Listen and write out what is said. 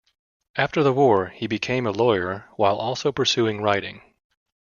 After the war he became a lawyer while also pursuing writing.